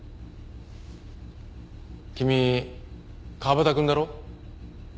君川端くんだろ？